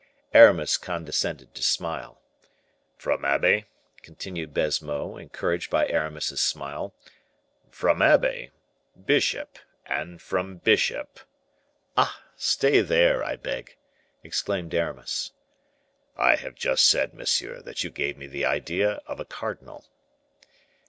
Aramis condescended to smile. "From abbe," continued Baisemeaux, encouraged by Aramis's smile "from abbe, bishop and from bishop " "Ah! stay there, I beg," exclaimed Aramis. "I have just said, monsieur, that you gave me the idea of a cardinal."